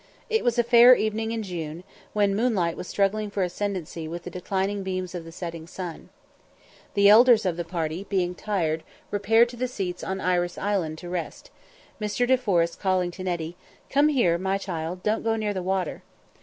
It was a fair evening in June, when moonlight was struggling for ascendancy with the declining beams of the setting sun. The elders of the party, being tired, repaired to the seats on Iris Island to rest, Mr. De Forest calling to Nettie, "Come here, my child; don't go near the water."